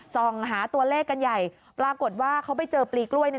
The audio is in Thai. ส่องหาตัวเลขกันใหญ่ปรากฏว่าเขาไปเจอปลีกล้วยเนี่ย